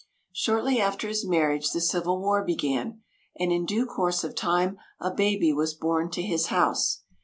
Shortly after his marriage the Civil War began, and in due course of time a baby was born to his house.